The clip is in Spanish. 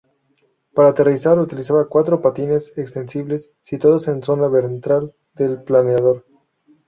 Para aterrizar, utilizaba cuatro patines extensibles, situados en la zona ventral del planeador.